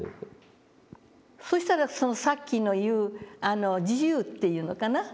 そうしたらさっきの言う自由っていうのかな。